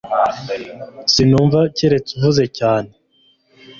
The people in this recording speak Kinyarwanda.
Sinumva keretse uvuze cyane.